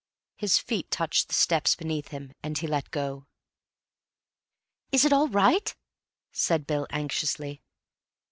His feet touched the steps beneath him, and he let go. "Is it all right?" said Bill anxiously.